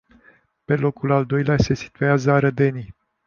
Pe locul al doilea se situează arădenii.